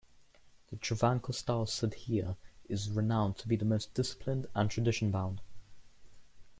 The Travancore-style sadhya is renowned to be the most disciplined and tradition-bound.